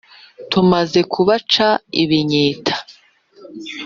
tumaze kubaca ibinyita